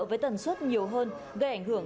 với tần suất nhiều hơn gây ảnh hưởng